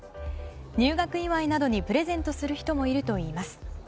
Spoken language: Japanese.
入学祝いなどにプレゼントする人もいるといいます。